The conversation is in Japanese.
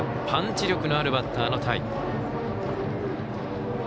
パンチ力のあるバッターの田井。